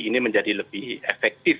ini menjadi lebih efektif